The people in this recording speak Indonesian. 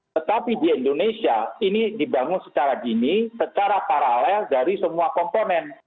tetapi di indonesia ini dibangun secara dini secara paralel dari semua komponen